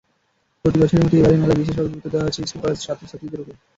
প্রতিবছরের মতো এবারের মেলায় বিশেষভাবে গুরুত্ব দেওয়া হয়েছে স্কুল-কলেজের ছাত্রছাত্রীদের ওপর।